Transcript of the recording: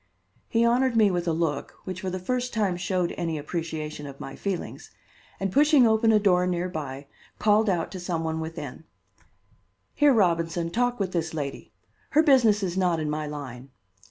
He honored me with a look, which for the first time showed any appreciation of my feelings, and pushing open a door near by, called out to some one within: "Here, Robinson, talk with this lady. Her business is not in my line."